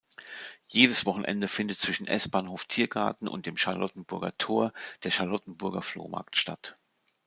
Jedes Wochenende findet zwischen S-Bahnhof Tiergarten und dem Charlottenburger Tor der Charlottenburger Flohmarkt statt.